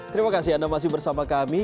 terima kasih anda masih bersama kami